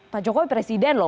pak jokowi presiden loh